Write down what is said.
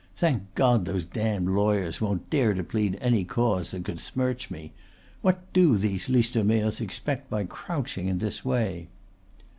Thank God, those damned lawyers won't dare to plead any cause that could smirch me. What do these Listomeres expect to get by crouching in this way?")